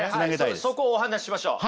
そこをお話ししましょう。